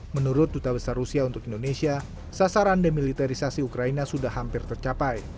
menurut duta besar rusia untuk indonesia sasaran demilitarisasi ukraina sudah hampir tercapai